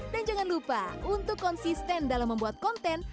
dan jangan lupa untuk konsisten dalam membuat konten